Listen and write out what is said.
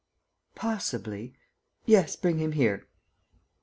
. possibly. ... Yes, bring him here."